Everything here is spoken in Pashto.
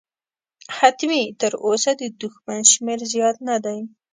حتمي، تراوسه د دښمن شمېر زیات نه دی.